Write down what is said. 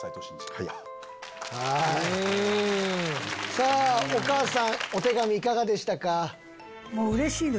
さぁお母さんお手紙いかがでしたか？